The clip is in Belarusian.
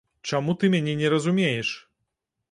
Чаму ты мяне не разумееш?!